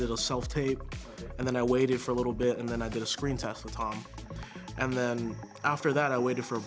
dan setelah itu saya menunggu selama dua lima bulan untuk mendengar apa apa pun